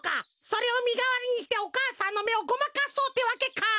それをみがわりにしてお母さんのめをごまかそうってわけか！